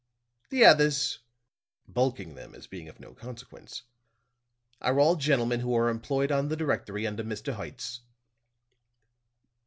The others," bulking them as being of no consequence, "are all gentlemen who are employed on the directory under Mr. Hertz."